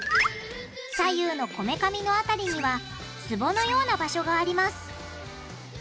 左右のこめかみの辺りにはツボのような場所があります。